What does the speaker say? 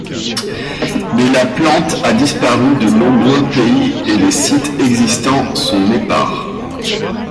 Mais la plante a disparu de nombreux pays et les sites existants sont épars.